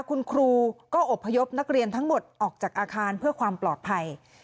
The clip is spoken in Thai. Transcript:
คุณครูก็อบพยพนักเรียนทั้งหมดออกจากอาคารเพื่อความปลอดภัย